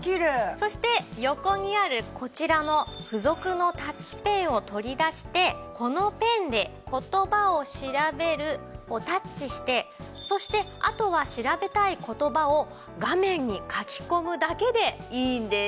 そして横にあるこちらの付属のタッチペンを取り出してこのペンで「言葉を調べる」をタッチしてそしてあとは調べたい言葉を画面に書き込むだけでいいんです。